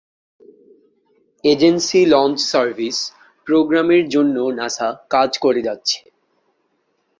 Agency launch service প্রোগ্রামের জন্যও NASA কাজ করে যাচ্ছে।